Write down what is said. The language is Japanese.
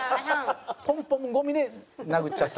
ポンポン込みで殴っちゃったので。